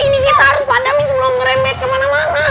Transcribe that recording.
ini kita harus padahal minggul ngerenget kemana mana